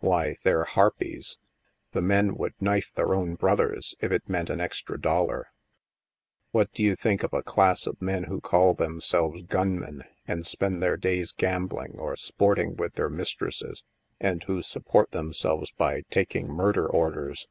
Why, they're harpies. The men would knife their own brothers, if it meant an extra dol lar. What do you think of a class of men who call themselves * gunmen,' who spend their days gam bling, or sporting with their mistresses, and who sup port themselves by taking murder orders?